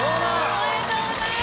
おめでとうございます。